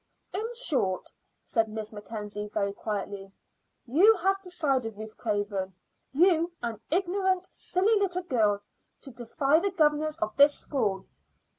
"In short," said Miss Mackenzie very quietly, "you have decided, Ruth Craven you, an ignorant, silly little girl to defy the governors of this school.